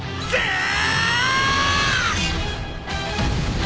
ああ。